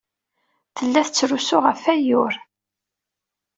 Tella tettrusu ɣef wayyur.